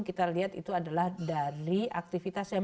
kita lihat itu adalah dari aktivitas yang